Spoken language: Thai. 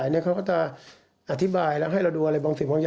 ทุกข้อหาที่แจ้งมา